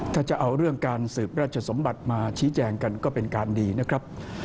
ถ้าจะเอาเรื่องการสืบราชสมบัติมาชี้แจงกันก็เป็นการดีนะครับ